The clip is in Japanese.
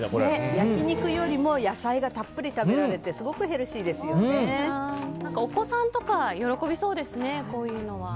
焼き肉よりも野菜がたっぷり食べられてお子さんとか喜びそうですね。